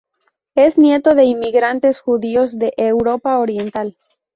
Es nieto de inmigrantes judíos de Europa Oriental.